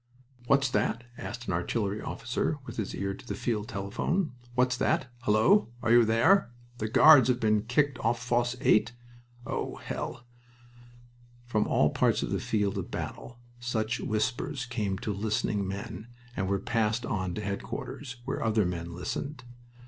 "What's that?" asked an artillery staff officer, with his ear to the field telephone. "What's that?... Hullo!... Are you there?... The Guards have been kicked off Fosse 8... Oh, hell!" From all parts of the field of battle such whispers came to listening men and were passed on to headquarters, where other men listened.